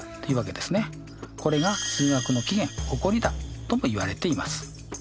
これが数学の起源起こりだともいわれています。